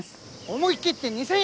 思い切って２，０００円！